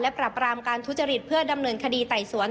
ปรับรามการทุจริตเพื่อดำเนินคดีไต่สวน